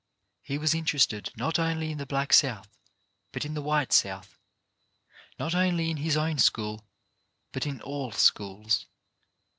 He was interested not only in the black South, but in the white South, not only in his own school, but in all schools.